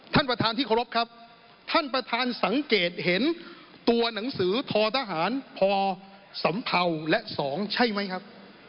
ท่านประธานที่เคารพครับท่านประธานสังเกตเห็นตัวหนังสือทอทหารพสัมเภาและ๒ใช่ไหมครับ